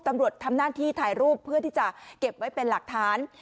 ตำรวจทำหน้าที่ถ่ายรูปเพื่อที่จะเก็บไว้เป็นหลักฐาน